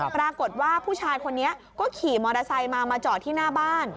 ปรากฏว่าผู้ชายคนนี้ก็ขี่มอเตอร์ไซค์มามาจอดที่หน้าบ้าน